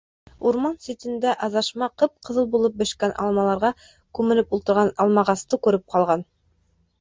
Урман ситендә Аҙашма ҡып-ҡыҙыл булып бешкән алмаларға күмелеп ултырған Алмағасты күреп ҡалған.